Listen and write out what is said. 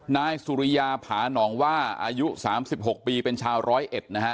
นายสุริยาผานอ่องว่าอายุสามสิบหกปีเป็นชาวร้อยเอ็ดนะฮะ